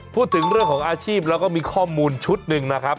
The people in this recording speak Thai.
พูดถึงเรื่องของอาชีพแล้วก็มีข้อมูลชุดหนึ่งนะครับ